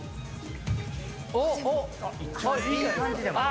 お、いい感じ、でも。